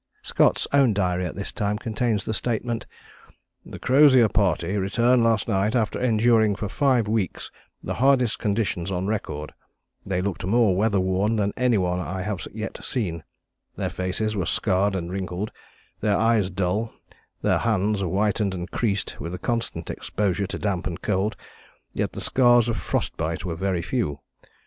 Scott's own diary at this time contains the statement: "The Crozier party returned last night after enduring for five weeks the hardest conditions on record. They looked more weather worn than any one I have yet seen. Their faces were scarred and wrinkled, their eyes dull, their hands whitened and creased with the constant exposure to damp and cold, yet the scars of frost bite were very few